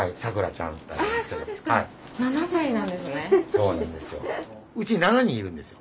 そうなんですよ。